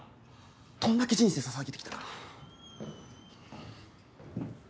どんだけ人生ささげて来たか。